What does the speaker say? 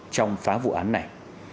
trong phá vụ án này